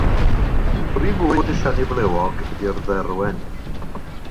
Prif fwyd y siani flewog ydy'r dderwen.